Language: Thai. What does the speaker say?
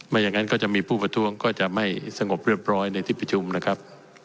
อย่างนั้นก็จะมีผู้ประท้วงก็จะไม่สงบเรียบร้อยในที่ประชุมนะครับ